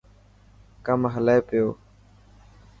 ڪم هلي پيو.